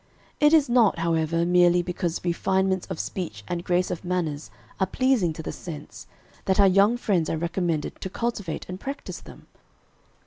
It is not, however, merely because refinements of speech and grace of manners are pleasing to the sense, that our young friends are recommended to cultivate and practice them.